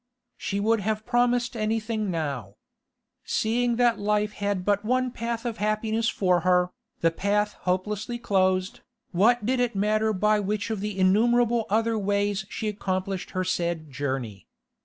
She would have promised anything now. Seeing that life had but one path of happiness for her, the path hopelessly closed, what did it matter by which of the innumerable other ways she accomplished her sad journey?